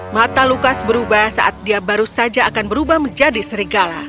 mata lukas berubah saat dia baru saja akan berubah menjadi serigala